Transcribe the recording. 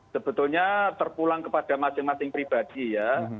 sebetulnya terpulang kepada masing masing pribadi ya